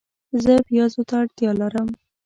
زه پیازو ته اړتیا لرم